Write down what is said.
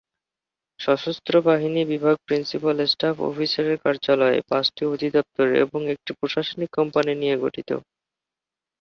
সশস্ত্র বাহিনী বিভাগ প্রিন্সিপাল স্টাফ অফিসারের কার্যালয়, পাঁচটি অধিদপ্তর এবং একটি প্রশাসনিক কোম্পানি দিয়ে গঠিত।